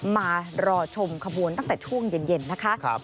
มารอชมขบวนตั้งแต่ช่วงเย็นนะคะ